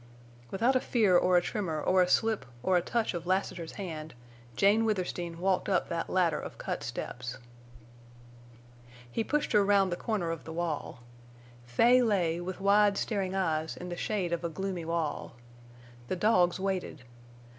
_'" Without a fear or a tremor or a slip or a touch of Lassiter's hand Jane Withersteen walked up that ladder of cut steps. He pushed her round the corner of the wall. Fay lay, with wide staring eyes, in the shade of a gloomy wall. The dogs waited.